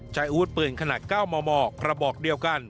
ใช้อวดปืนขนาด๙มระบอกเดียวกัน